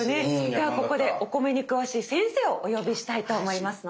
ではここでお米に詳しい先生をお呼びしたいと思いますので。